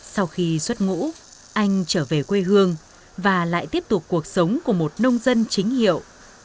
sau khi xuất ngũ anh trở về quê hương và lại tiếp tục cuộc sống của một nông dân chính hiệu